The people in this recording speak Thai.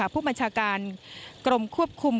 ผู้บัญชาการกรมควบคุม